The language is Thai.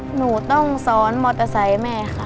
หนูต้องซ้อนมอเตอร์ไซค์แม่ค่ะ